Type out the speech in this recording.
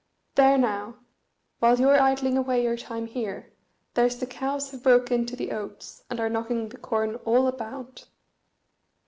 There now, while you're idling away your time here, there's the cows have broke into the oats, and are knocking the corn all about."